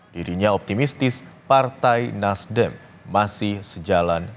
dirinya optimistis partai nasdem masih sejalan